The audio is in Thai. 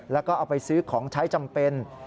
แล้วก็เอาไปซื้อของใช้จำเป็น